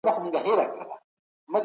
اسلام د بشریت لارښود دی.